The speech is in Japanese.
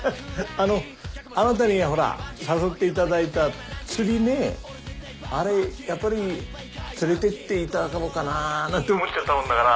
あのあなたにほら誘っていただいた釣りねあれやっぱり連れてっていただこうかななんて思っちゃったもんだから。